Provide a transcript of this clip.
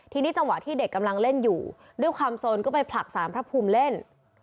ทีนี้จังหวะที่เด็กกำลังเล่นอยู่ด้วยความสนก็ไปผลักสารพระภูมิเล่น